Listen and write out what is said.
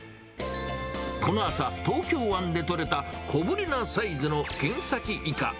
この朝、東京湾で取れた小ぶりなサイズのケンサキイカ。